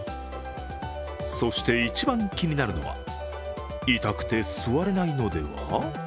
そして一番気になるのは、痛くて座れないのでは？